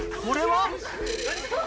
これは。